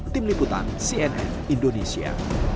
tim liputan cnn indonesia